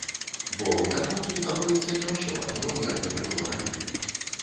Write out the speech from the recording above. Бо выканаўцу становіцца не ўсё адно, як гэта было раней.